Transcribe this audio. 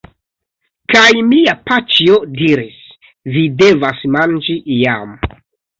Kaj mia paĉjo diris: "Vi devas manĝi iam!"